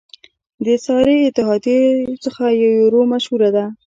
د اسعاري اتحادیو څخه یورو مشهوره ده.